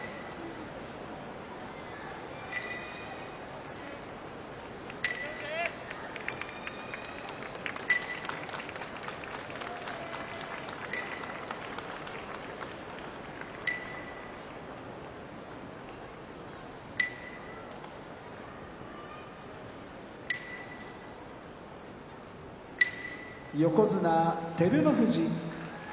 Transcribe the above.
拍手横綱照ノ富士。